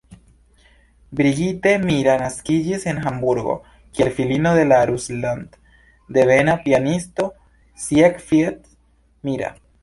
Brigitte Mira naskiĝis en Hamburgo, kiel filino de la rusland-devena pianisto Siegfried Mira.